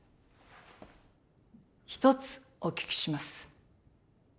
１つお聞きします。